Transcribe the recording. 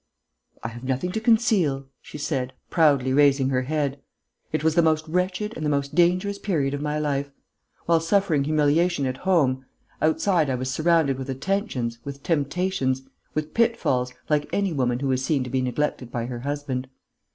"I have nothing to conceal," she said, proudly raising her head. "It was the most wretched and the most dangerous period of my life. While suffering humiliation at home, outside I was surrounded with attentions, with temptations, with pitfalls, like any woman who is seen to be neglected by her husband.